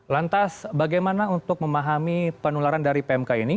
lantas bagaimana untuk memahami penularan dari pmk ini